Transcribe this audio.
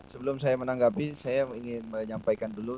sebelum saya menanggapi saya ingin menyampaikan dulu